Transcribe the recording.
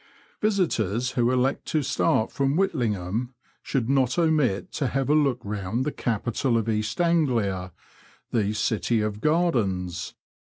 Visitors who elect to start from Whitlingham shouid not omit to have a look round the capital of East AngUa, the city of gardens.